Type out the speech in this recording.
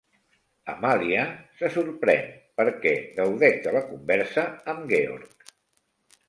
Amalia se sorprèn perquè gaudeix de la conversa amb Georg.